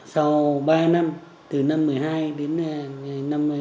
sau ba năm từ năm hai nghìn một mươi hai đến năm hai nghìn một mươi sáu